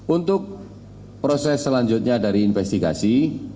untuk proses selanjutnya dari investigasi